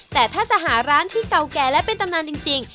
แต่ถ้าจะหาร้านที่เก่าแก่และเป็นตำนานจริง